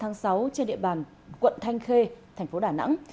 dạng sáng ngày một mươi ba tháng sáu trên địa bàn quận thanh khê thành phố đà nẵng